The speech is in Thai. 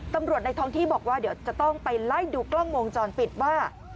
ในท้องที่บอกว่าเดี๋ยวจะต้องไปไล่ดูกล้องวงจรปิดว่า